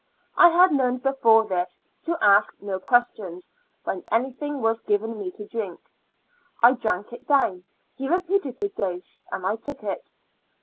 I had learned before this, to ask no questions when anything was given me to drink. I drank it down; he repeated the dose, and I took it.